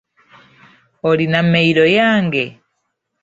OIina mmeyiro yange?